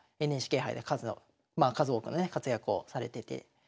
まあＮＨＫ杯で数多くのね活躍をされてて。